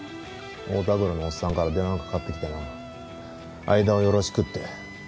太田黒のおっさんから電話かかってきてな相田をよろしくって。